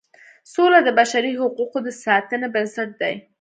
سوله د بشري حقوقو د ساتنې بنسټ دی.